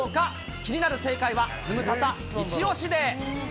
気になる正解は、ズムサタいち押しで。